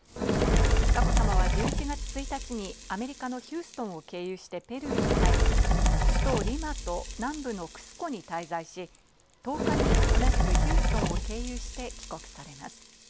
佳子さまは１１月１日にアメリカのヒューストンを経由してペルーに入り、首都・リマと南部のクスコに滞在し、１０日に同じくヒューストンを経由して帰国されます。